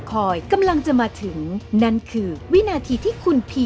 รายการต่อไปนี้เหมาะสำหรับผู้ชมที่มีอายุ๑๓ปีควรได้รับคำแนะนำ